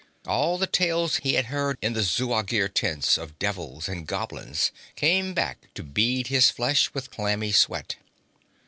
All the tales he had heard in the Zuagir tents of devils and goblins came back to bead his flesh with clammy sweat.